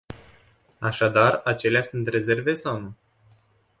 Așadar, acelea sunt rezerve sau nu?